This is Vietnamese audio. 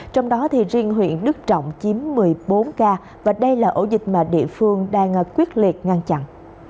trong đó riêng huyện đức trọng chiếm một mươi bốn ca và đây là ổ dịch mà địa phương đang quyết liệt ngăn chặn